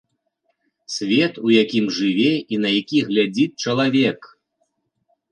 Свет, у якім жыве і на які глядзіць чалавек!